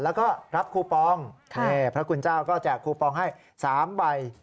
แล้วก็รับคูปองพระคุณเจ้าก็แจกคูปองให้๓ใบ